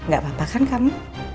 gak apa apa kan kamu